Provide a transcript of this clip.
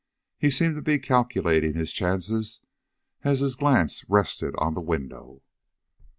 He seemed to be calculating his chances as his glance rested on the window.